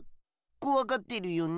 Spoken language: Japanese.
こわがってるよね。